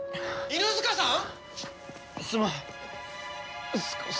犬塚さん！